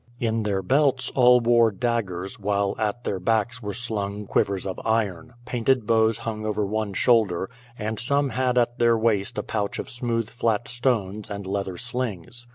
In their belts all wore daggers, while at their backs were slung quivers of iron; painted bows hung over one shoulder, and some had at their waist a pouch of smooth flat stones and leather slings.